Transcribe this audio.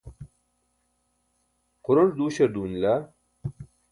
xuronc̣ duuśar duunila